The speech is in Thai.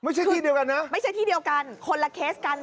ไม่ใช่ที่เดียวกันนะไม่ใช่ที่เดียวกันคนละเคสกัน